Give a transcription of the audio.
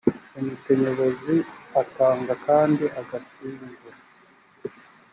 komite nyobozi atanga kandi agashyingura